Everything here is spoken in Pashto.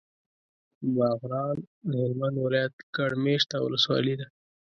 باغران د هلمند ولایت ګڼ مېشته ولسوالي ده.